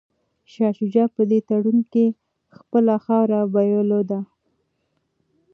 شاه شجاع په دې تړون کي خپله خاوره بایلوده.